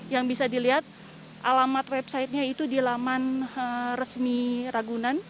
yang bisa dilihat alamat websitenya itu di laman resmi ragunan